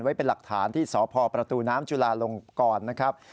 ไว้เป็นหลักฐานที่สพประตูน้ำจุลาลงก่อนนะครับ